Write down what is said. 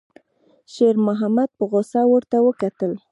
شېرمحمد په غوسه ورته وکتل.